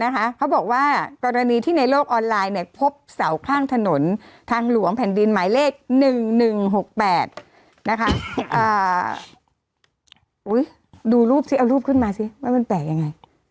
หกแปดนะคะอ่าอุ้ยดูรูปสิเอารูปขึ้นมาสิว่ามันแปลกยังไง